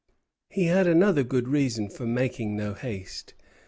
He had another good reason for making no haste.